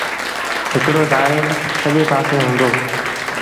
هڪڙو ڌآڙيل سڄي پآسي هُݩدو